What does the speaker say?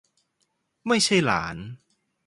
ไม่ใช่หลาน